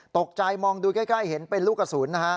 ตกใจมองดูใกล้เห็นเป็นลูกกระสุนนะฮะ